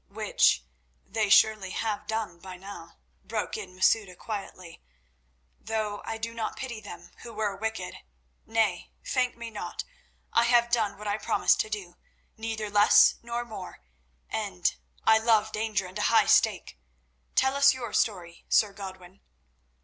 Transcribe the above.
"Which they surely have done by now," broke in Masouda quietly, "though I do not pity them, who were wicked. Nay; thank me not; I have done what I promised to do, neither less nor more, and—I love danger and a high stake. Tell us your story, Sir Godwin."